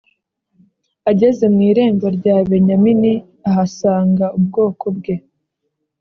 Ageze mu Irembo rya Benyamini ahasanga ubwoko bwe